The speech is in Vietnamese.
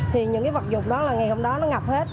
thì những cái vật dụng đó là ngày hôm đó nó ngập hết